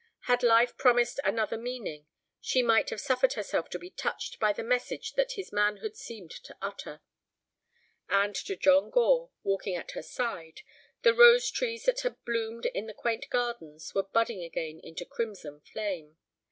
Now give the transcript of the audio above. Had life promised another meaning she might have suffered herself to be touched by the message that his manhood seemed to utter. And to John Gore, walking at her side, the rose trees that had bloomed in the quaint gardens were budding again into crimson flame.